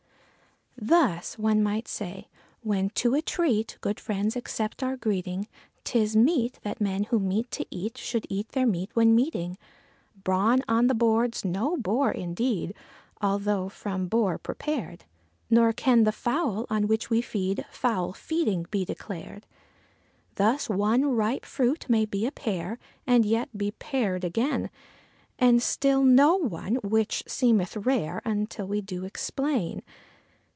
Thus, one might say, when to a treat good friends accept our greeting, 'Tis meet that men who meet to eat should eat their meat when meeting. Brawn on the board's no bore indeed although from boar prepared; Nor can the fowl, on which we feed, foul feeding he declared. Thus, one ripe fruit may be a pear, and yet be pared again, And still no one, which seemeth rare until we do explain.